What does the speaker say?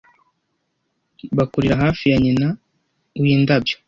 bakurira hafi ya nyina windabyo